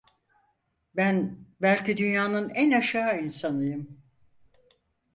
Ben belki dünyanın en aşağı insanıyım…